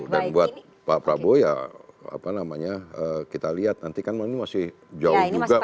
dan buat pak prabowo ya apa namanya kita lihat nanti kan masih jauh juga